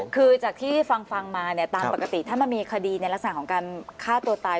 คือจากที่ฟังมาเนี่ยตามปกติถ้ามันมีคดีในลักษณะของการฆ่าตัวตาย